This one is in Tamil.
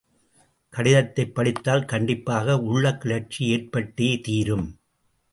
கடிதத்தைப் படித்தால் கண்டிப்பாக உள்ளக் கிளர்ச்சி ஏற்பட்டே தீரும்.